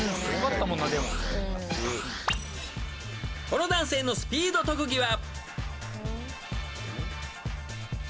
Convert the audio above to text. ［この男性のスピード特技は］